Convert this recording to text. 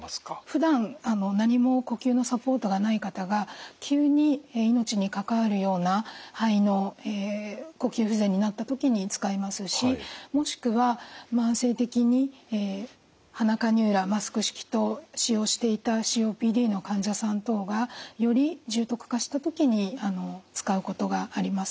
ふだん何も呼吸のサポートがない方が急に命に関わるような肺の呼吸不全になった時に使いますしもしくは慢性的に鼻カニューラ・マスク式等使用していたＣＯＰＤの患者さん等がより重篤化した時に使うことがあります。